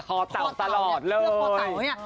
คอเต่าตลอดเลย